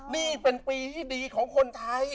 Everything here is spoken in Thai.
นี่เป็นปีที่ดีของคนไทย